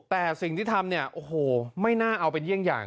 แต่สิ่งที่ทำเนี่ยโอ้โหไม่น่าเอาเป็นเยี่ยงอย่าง